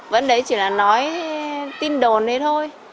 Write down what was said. vẫn đấy chỉ là nói tin đồn đấy thôi